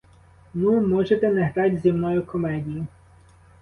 Ну, можете не грать зі мною комедії.